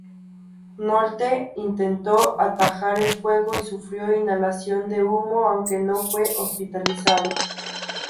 Nolte intentó atajar el fuego y sufrió inhalación de humo, aunque no fue hospitalizado.